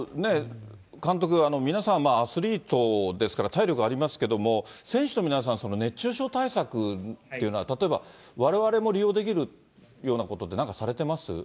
監督、皆さん、まあアスリートですから、体力ありますけども、選手の皆さん、熱中症対策というのは、例えばわれわれも利用できるようなことってなんかされてます？